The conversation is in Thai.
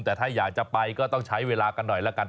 แต่ถ้าอยากจะไปก็ต้องใช้เวลากันหน่อยละกัน